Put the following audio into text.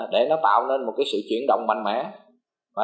để nó tạo nên một cái sự chuyển động mạnh mẽ